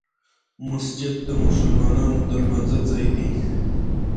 بورډ د چېرمين پۀ حېثيت کار کړے دے ۔